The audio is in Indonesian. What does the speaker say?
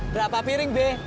berapa piring be